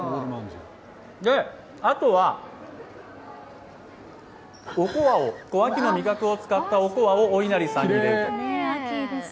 あとは、秋の味覚を使ったおこわをおいなりさんに入れて。